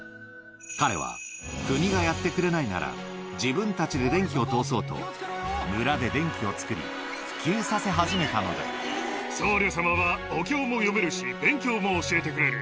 彼は、国がやってくれないなら、自分たちで電気を通そうと、村で電気を作り、僧侶様はお経も読めるし、勉強も教えてくれる。